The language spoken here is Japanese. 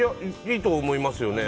いいと思いますよね。